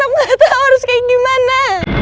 kamu gak tahu harus kayak gimana